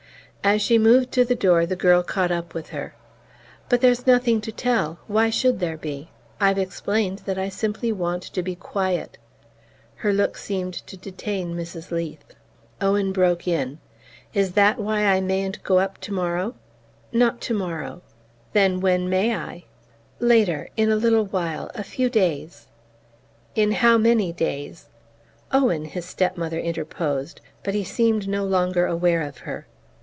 As she moved to the door the girl caught up with her. "But there's nothing to tell: why should there be? I've explained that I simply want to be quiet." Her look seemed to detain Mrs. Leath. Owen broke in: "Is that why I mayn't go up tomorrow?" "Not tomorrow!" "Then when may I?" "Later ... in a little while ... a few days..." "In how many days?" "Owen!" his step mother interposed; but he seemed no longer aware of her.